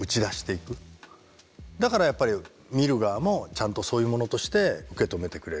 だからやっぱり見る側もちゃんとそういうものとして受け止めてくれる。